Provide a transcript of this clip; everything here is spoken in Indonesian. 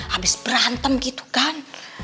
abis berantem gitu kan